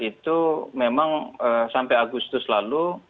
itu memang sampai agustus lalu